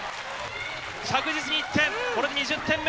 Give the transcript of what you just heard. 着実に１点、これで２０点目。